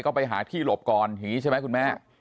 ก็ไปหาที่หลบก่อนอย่างนี้ใช่ไหมคุณแม่